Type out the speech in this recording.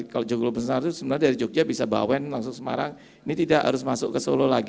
kalau joglo semar itu sebenarnya dari jogja bisa bawain langsung semarang ini tidak harus masuk ke solo lagi